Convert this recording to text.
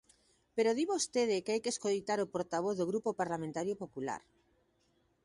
Pero di vostede que hai que escoitar o portavoz do Grupo Parlamentario Popular.